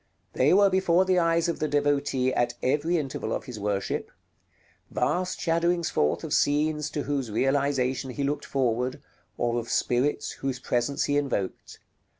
They were before the eyes of the devotee at every interval of his worship; vast shadowings forth of scenes to whose realization he looked forward, or of spirits whose presence he invoked.